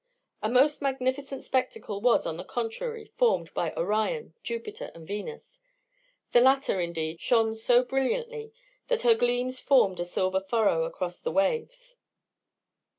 A most magnificent spectacle was, on the contrary, formed by Orion, Jupiter, and Venus; the latter, indeed, shone so brilliantly that her gleams formed a silver furrow across the waves.